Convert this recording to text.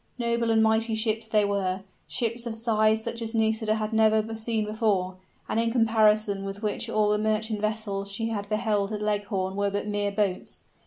Noble and mighty ships they were ships of size such as Nisida had never seen before, and in comparison with which all the merchant vessels she had beheld at Leghorn were but mere boats.